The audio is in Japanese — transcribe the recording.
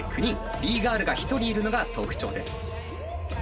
Ｂ−ＧＩＲＬが１人いるのが特徴です。